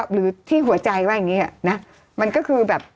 หรือที่หัวใจว่าอย่างนี้นะมันก็คือแบบ